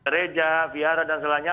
reja biara dan sebagainya